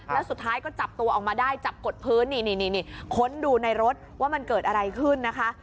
แล้วสุดท้ายก็จับตัวออกมาได้จับกดพื้นนี่ค้นดูในรถว่ามันเกิดอะไรขึ้นนะคะ